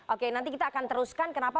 oke nanti kita akan teruskan kenapa